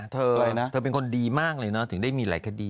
เธอเป็นคนดีมากเลยนะถึงได้มีหลายคดี